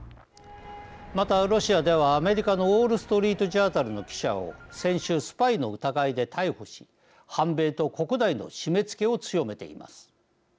また、ロシアではアメリカのウォール・ストリート・ジャーナルの記者を先週スパイの疑いで逮捕し反米と国内の締めつけを強めています。